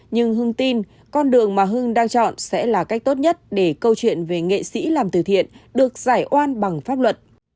nhưng hưng tin con đường mà hưng đang chọn sẽ là cách tốt nhất để câu chuyện về nghệ sĩ làm từ thiện được giải oan bằng pháp luận